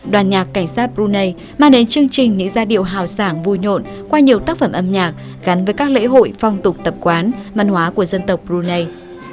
đoàn nhạc cảnh sát brunei mang đến chương trình những giai điệu hào sảng vui nhộn qua nhiều tác phẩm âm nhạc gắn với các lễ hội phong tục tập quán văn hóa của dân tộc brunei